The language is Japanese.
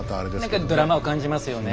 何かドラマを感じますよね。